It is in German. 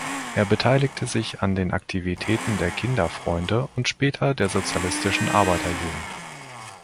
Er beteiligte sich an den Aktivitäten der Kinderfreunde und später der Sozialistischen Arbeiterjugend.